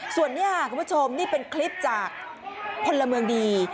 ส่วนนี้ค่ะคุณผู้ชมนี่เป็นคลิปจากพลเมืองดี